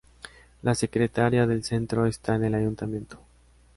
La secretaría del centro está en el Ayuntamiento.